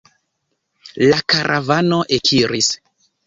La karavano ekiris.